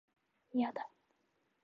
いやだ